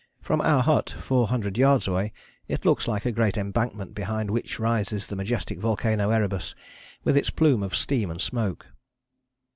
From our hut, four hundred yards away, it looks like a great embankment behind which rises the majestic volcano Erebus, with its plume of steam and smoke.